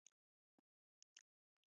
د واک ناانډولي شخړې زېږوي